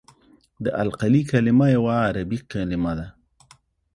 د القلي کلمه یوه عربي کلمه ده.